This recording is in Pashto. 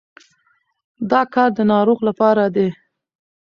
دا کار د ناروغ لپاره دی.